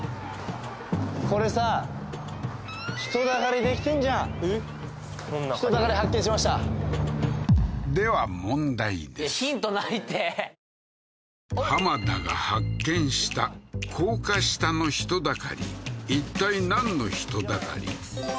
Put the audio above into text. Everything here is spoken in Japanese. これさ人だかり発見しましたではいやヒントないって田が発見した高架下の人だかりいったいなんの人だかり？